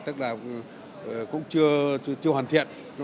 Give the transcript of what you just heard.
tức là cũng chưa hoàn thiện